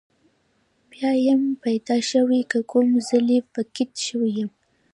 بیا یم پیدا شوی که کوم ځلې فقید شوی یم.